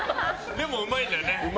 でもうまいんだよね。